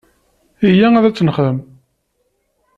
Iyya ad tt-nexdem!